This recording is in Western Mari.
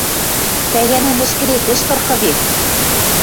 Тӓгӓнӓ мӹшкӹрет ӹш тырхы вет!